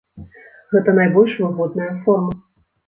Гэта найбольш выгодная форма.